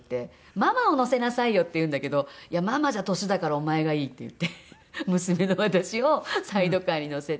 「ママを乗せなさいよ」って言うんだけど「いやママじゃ年だからお前がいい」って言って娘の私をサイドカーに乗せて。